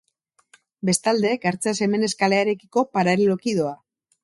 Bestalde, Gartzea Semenez kalearekiko paraleloki doa.